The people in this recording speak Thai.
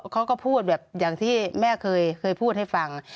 เขาก็พูดแบบอย่างที่แม่เคยพูดให้ฟัง